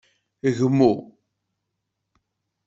Gmu.